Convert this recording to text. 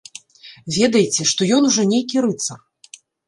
Ведайце, што ён ужо нейкі рыцар!